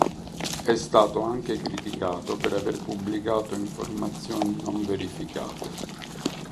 È stato anche criticato per aver pubblicato informazioni non verificate.